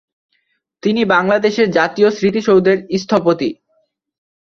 তিনি বাংলাদেশের জাতীয় স্মৃতিসৌধের স্থপতি।